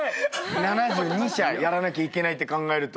７２射やらなきゃいけないって考えると。